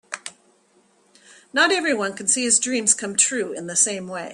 Not everyone can see his dreams come true in the same way.